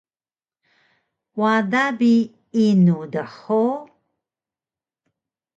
Wada bi inu dhug?